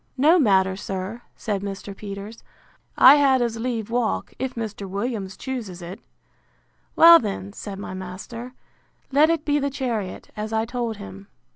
No matter, sir, said Mr. Peters: I had as lieve walk, if Mr. Williams chooses it. Well then, said my master, let it be the chariot, as I told him.